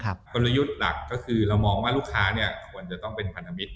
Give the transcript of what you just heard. กลยุทธ์หลักก็คือเรามองว่าลูกค้าควรจะต้องเป็นพันธมิตร